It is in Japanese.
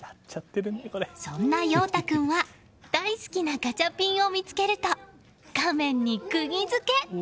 そんな陽大君は大好きなガチャピンを見つけると画面にくぎ付け！